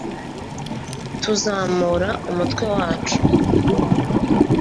tuzamura umutwe wacu